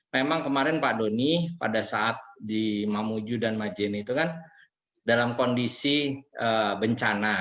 memang kemarin pak doni pada saat di mamuju dan majeni itu kan dalam kondisi bencana